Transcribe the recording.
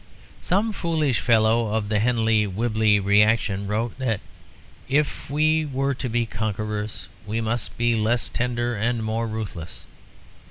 Some foolish fellow of the Henley Whibley reaction wrote that if we were to be conquerors we must be less tender and more ruthless.